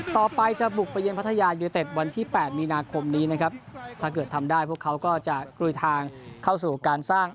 ต่อไปจะบุกไปเย็นพัทยายูเนเต็ดวันที่๘มีนาคมนี้นะครับถ้าเกิดทำได้พวกเขาก็จะกลุยทางเข้าสู่การสร้าง